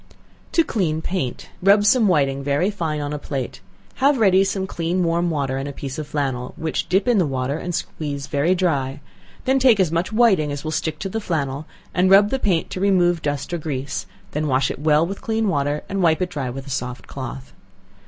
To Clean Paint. Rub some whiting very fine on a plate; have ready some clean warm water, and a piece of flannel, which dip in the water and squeeze very dry; then take as much whiting as will stick to the flannel, and rub the paint to remove dust or grease, then wash it well with clean water and wipe it dry with a soft cloth.